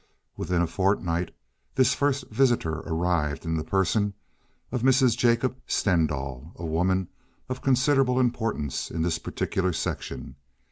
Within a fortnight this first visitor arrived in the person of Mrs. Jacob Stendahl, a woman of considerable importance in this particular section.